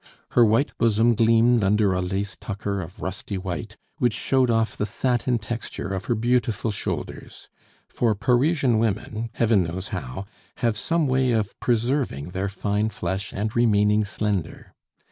Her white bosom gleamed under a lace tucker of rusty white, which showed off the satin texture of her beautiful shoulders for Parisian women, Heaven knows how, have some way of preserving their fine flesh and remaining slender.